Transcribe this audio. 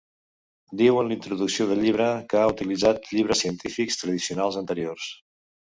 Diu en la introducció del llibre que ha utilitzat llibres científics tradicionals anteriors.